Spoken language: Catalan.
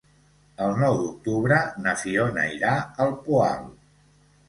El nou d'octubre na Fiona irà al Poal.